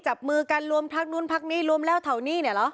จับมือกันรวมพักนู้นพักนี้รวมแล้วแถวนี้เนี่ยเหรอ